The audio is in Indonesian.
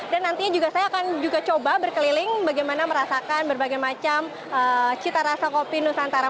dan nantinya saya akan juga coba berkeliling bagaimana merasakan berbagai macam cita rasa kopi nusantara